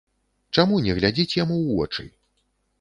Чаму не глядзіць яму ў вочы?